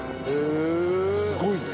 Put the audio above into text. すごいね。